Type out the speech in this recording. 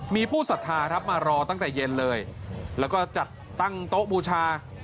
มีผู้สัทธาครับมารอตั้งแต่เย็นเลยแล้วก็จัดตั้งโต๊ะบูชา